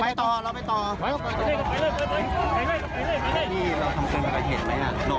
ไปต่อเรามายังไปต่อ